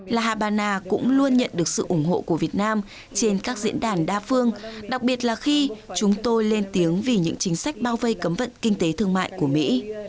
la habana cũng luôn nhận được sự ủng hộ của việt nam trên các diễn đàn đa phương đặc biệt là khi chúng tôi lên tiếng vì những chính sách bao vây cấm vận kinh tế thương mại của mỹ